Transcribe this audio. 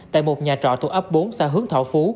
tại một nhà trọ thuộc ấp bốn xã hướng thọ phú